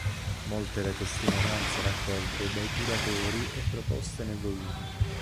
Molte le testimonianze raccolte dai curatori e proposte nel volume.